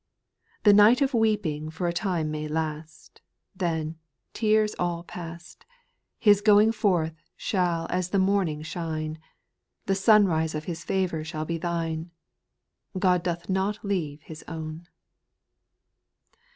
VJT Tlie night of weeping for a time may last, Then, tears all past, His going forth shall as the morning shine, The sunrise of His favour shall be thine — God doth not leave His own I 2.